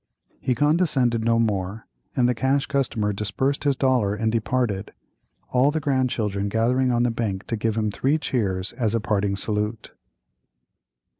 He condescended no more, and the Cash Customer disbursed his dollar and departed, all the grandchildren gathering on the bank to give him three cheers as a parting salute.